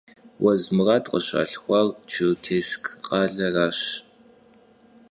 Vuezı Murat khışalhxuar Çêrkêssk khaleraş.